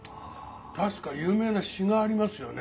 確か有名な詩がありますよね？